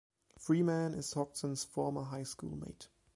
Freeman is Hodgson's former high school mate.